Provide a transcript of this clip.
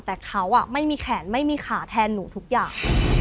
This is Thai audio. แต่เขาไม่มีแขนไม่มีขาแทนหนูทุกอย่าง